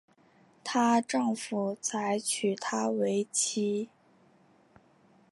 她丈夫才娶她为妻